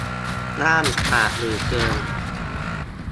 ห้ามขาดหรือเกิน